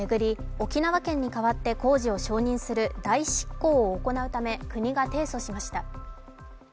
沖縄県に代わって工事を執行する代執行を行うため国が提訴しました。